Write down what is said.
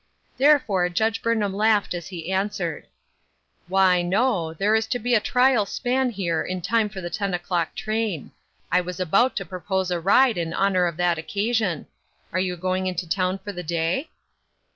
Therefore Judge Burn ham laughed as he answered :" Why, no, there is to be a trial span here in time for the ten o'clock train. I was about to 332 Ruth Erskines Crosses. propose a ride in honor of that occasion. Are you going into town for the day